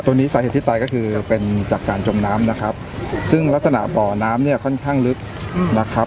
นี้สาเหตุที่ตายก็คือเป็นจากการจมน้ำนะครับซึ่งลักษณะบ่อน้ำเนี่ยค่อนข้างลึกนะครับ